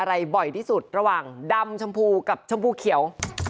อะไรบ่อยที่สุดระหว่างดำชมพูกับชมพูเขียว